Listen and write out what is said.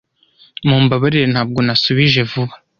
Mumbabarire ntabwo nasubije vuba.